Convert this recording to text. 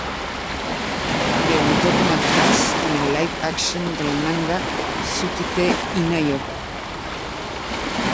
Debutó como actriz en el live action del manga "Suki-tte ii na yo".